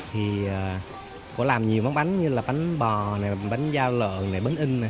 thì cô làm nhiều món bánh như là bánh bò bánh dao lợn bánh in